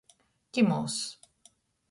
Kimūss.